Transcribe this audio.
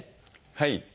はい。